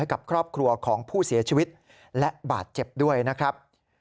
กับครอบครัวของผู้เสียชีวิตและบาดเจ็บด้วยนะครับ